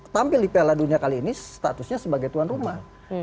tampil di piala dunia kali ini statusnya sebagai tuan rumah